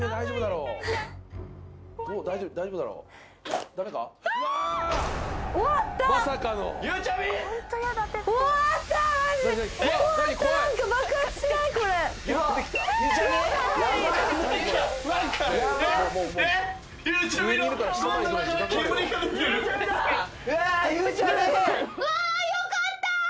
うわよかった！